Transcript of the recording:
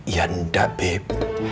ya enggak beb